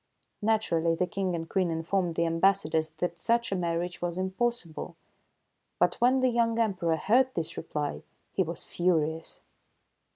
Naturally, the King and Queen informed the ambassadors that such a marriage was impossible. But, when the young Emperor heard this reply, he was furious.